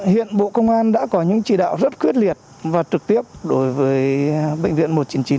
hiện bộ công an đã có những chỉ đạo rất quyết liệt và trực tiếp đối với bệnh viện một trăm chín mươi chín